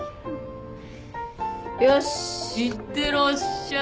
いってらっしゃい。